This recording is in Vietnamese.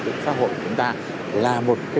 những khó khăn vía giữa done